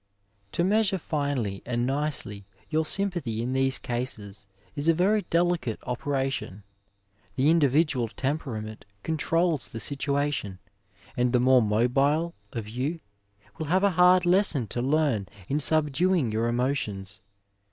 To measure finely and nicely your sympathy in these cases is a very delicate operation. The individual tempera ment controls the situation, and the more mobile of you will have a hard lesson to learn in subduing your emotions.